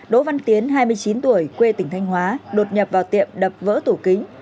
đỗ văn tiến hai mươi chín tuổi quê tỉnh thanh hóa đột nhập vào tiệm đập vỡ tủ kính